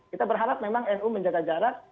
kita berharap memang nu menjaga jarak